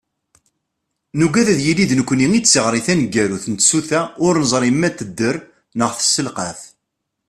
Nugad ad yili d nekkni i d tiɣri taneggarut n tsuta ur neẓri ma tedder neɣ tesselqaf.